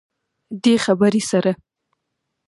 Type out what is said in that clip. دې خبرې سره